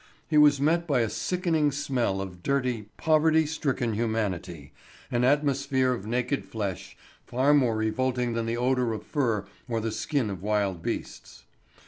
He was met by a sickening smell of dirty, poverty stricken humanity, an atmosphere of naked flesh (far more revolting than the odour of fur or the skin of wild beasts).